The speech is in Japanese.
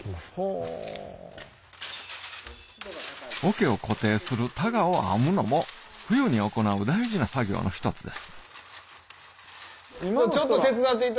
桶を固定するタガを編むのも冬に行う大事な作業の一つです